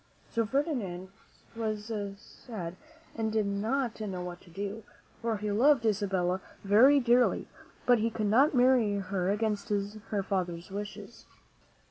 So Ferdinand was sad and did not know what to do, for he loved Isabella very dearly ; but he could not marry her against her father's wishes.